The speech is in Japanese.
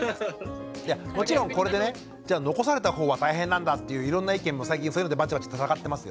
もちろんこれでねじゃあ残されたほうは大変なんだっていういろんな意見も最近そういうのでバチバチ戦ってますよ。